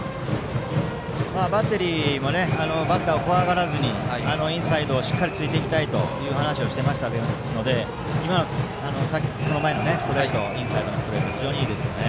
バッテリーもバッターを怖がらずにインサイドをしっかり突いていきたいと話していましたのでその前のインサイドのストレート非常にいいですよね。